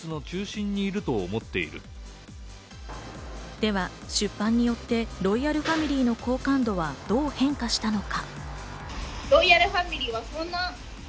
では、出版によってロイヤルファミリーの好感度はどう変化したのか？